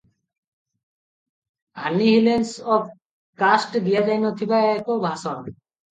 Annihilation of caste ଦିଆଯାଇନଥିବା ଏକ ଭାଷଣ ।